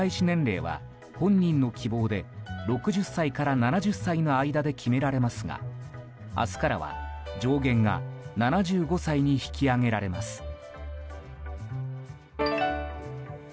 年齢は本人の希望で６０歳から７０歳の間で決められますが明日からは上限が７５歳に引き上げられます。